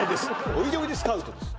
おいでおいでスカウトです